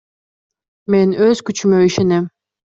Мен өз күчүмө ишенем.